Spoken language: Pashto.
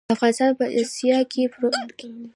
افغانستان په اسیا کې پروت دی.